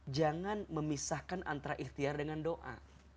jangan memisahkan antara ikhtiar dengan doa